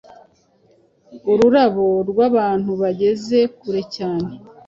Ururabo rwabantu bageze kure cyane